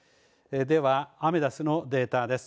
では、アメダスのデータです。